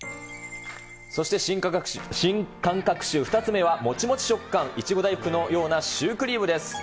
そして新感覚シュー２つ目はもちもち食感、苺大福のようなシュークリームです。